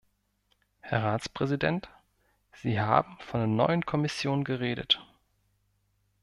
Herr Ratspräsident, Sie haben von der neuen Kommission geredet.